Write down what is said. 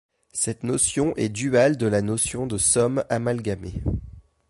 Cette notion est duale de la notion de somme amalgamée.